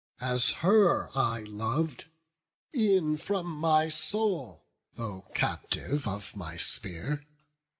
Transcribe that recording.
as her I lov'd E'en from my soul, though captive of my spear.